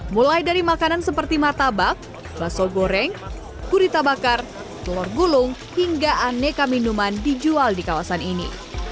mulai dari makanan seperti martabak baso goreng gurita bakar telur gulung hingga aneka minuman dijual di kawasan ini